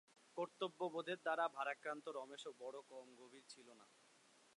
কর্তব্যবোধের দ্বারা ভারাক্রান্ত রমেশও বড়ো কম গভীর ছিল না।